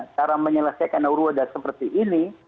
cara menyelesaikan huruadah seperti ini